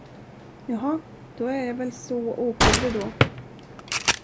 Jaha, då är jag väl så oskyldig då.